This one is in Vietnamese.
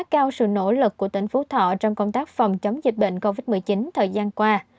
cao sự nỗ lực của tỉnh phú thọ trong công tác phòng chống dịch bệnh covid một mươi chín thời gian qua